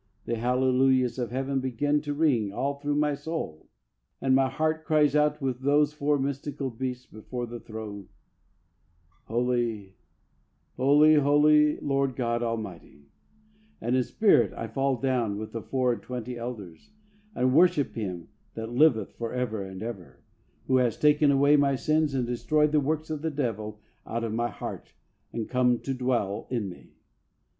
The hallelujahs of heaven begin to ring all through my soul, and my heart cries out with those four mystical beasts before the throne, " Holy, holy, holy, Lord God Almighty,'^ and in spirit I fall down with " the four and twenty elders, and worship Him that liveth for ever and ever, who has taken away my sins and destroyed the works of the devil out of my heart, and come to dwell in me.